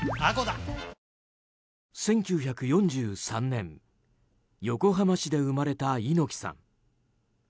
１９４３年横浜市で生まれた猪木さん。